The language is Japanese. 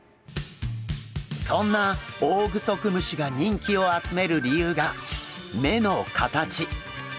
そんなオオグソクムシが人気を集める理由が目の形。